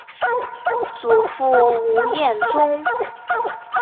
祖父吴彦忠。